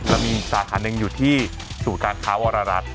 เรามีสาธารณ์หนึ่งอยู่ที่สูตรค้าวรรรัส